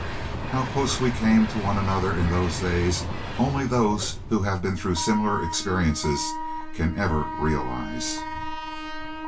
How close we came to one another in those days only those who have been through similar experiences can ever realise.